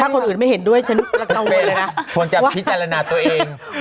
คนอื่นไม่เห็นด้วยฉันละเวเลยนะควรจะพิจารณาตัวเอง